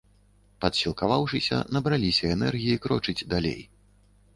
Падсілкаваўшыся, набраліся энергіі крочыць далей.